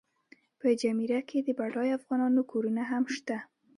په جمیره کې د بډایو افغانانو کورونه هم شته.